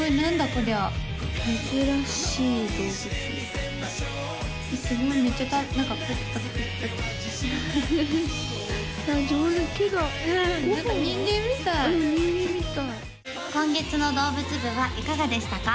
こりゃ珍しい動物すごいめっちゃ何か上手手が何か人間みたいうん人間みたい今月の動物部はいかがでしたか？